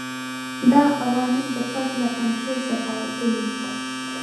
دا عوامل د فرد له کنټرول څخه وتلي دي.